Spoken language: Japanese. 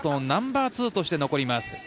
ナンバーツーとして残ります。